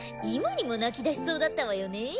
今にも泣き出しそうだったわよね。